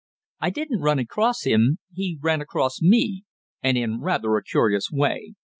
"I didn't run across him; he ran across me, and in rather a curious way.